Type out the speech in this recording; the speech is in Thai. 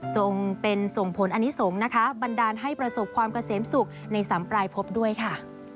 ส่งเป็นส่งผลอนิสงฆ์นะคะบันดาลให้ประสบความเกษมสุขในสำปลายพบด้วยค่ะ